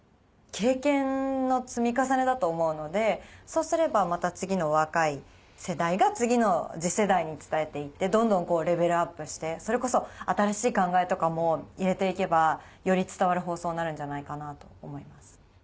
経験の積み重ねだと思うのでそうすればまた次の若い世代が次の次世代に伝えて行ってどんどんレベルアップしてそれこそ新しい考えとかも入れて行けばより伝わる放送になるんじゃないかなと思います。